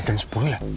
dan sepuluh lah